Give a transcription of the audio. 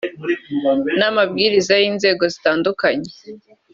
n’amabwiriza y’inzego zitandukanye